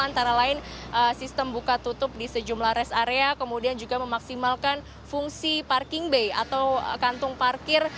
antara lain sistem buka tutup di sejumlah rest area kemudian juga memaksimalkan fungsi parking bay atau kantung parkir